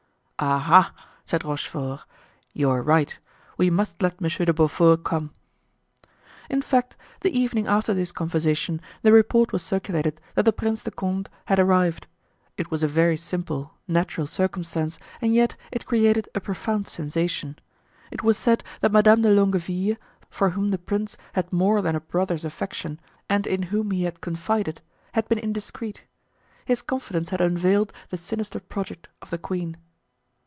"Ah! ha!" said Rochefort, "you are right. We must let Monsieur de Beaufort come." In fact, the evening after this conversation the report was circulated that the Prince de Condé had arrived. It was a very simple, natural circumstance and yet it created a profound sensation. It was said that Madame de Longueville, for whom the prince had more than a brother's affection and in whom he had confided, had been indiscreet. His confidence had unveiled the sinister project of the queen.